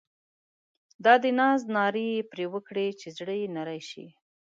دا د ناز نارې یې پر وکړې چې زړه یې نری شي.